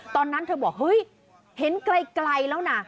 ตอนนั้นเธอบอกเฮ้ยเห็นไกลแล้วนะ